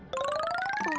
あ。